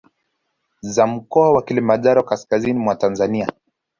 Za Mkoa wa Kilimanjaro Kaskazini mwa Tanzania